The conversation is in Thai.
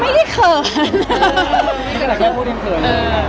ไม่ได้เขิน